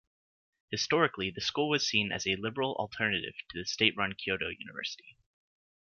Historically, the school was seen as a liberal alternative to the state-run Kyoto University.